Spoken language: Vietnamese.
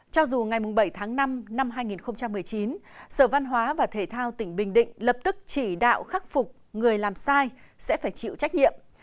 cho dù ngày bảy tháng năm năm hai nghìn một mươi chín sở văn hóa và thể thao tỉnh bình định lập tức chỉ đạo khắc phục người làm sai sẽ phải chịu trách nhiệm